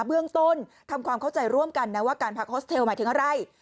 เบื้องต้นทำความเข้าใจร่วมกันนะว่าการพักโฮสเทลหมายถึงอะไร